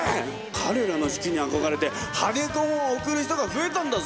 彼らの式に憧れてハデ婚をおくる人が増えたんだぜ！